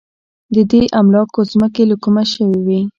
د دې املاکو ځمکې له کومه شوې وې.